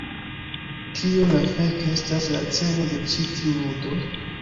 Kio la fek estas la celo de ĉi tiu ludo?